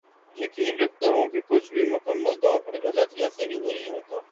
یقین رکھتا ہوں کہ کچھ بھی مکمل طور پر غلط یا صحیح نہیں ہوتا